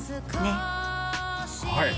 はい！